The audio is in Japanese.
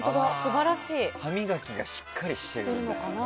歯磨きがしっかりしてるんだな。